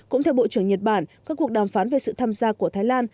cũng theo bộ trưởng nhật bản các cuộc đàm phán về sự tham gia của thái lan